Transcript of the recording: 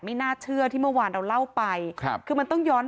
ไม่น่าเชื่อที่เมื่อวานเราเล่าไปครับคือมันต้องย้อน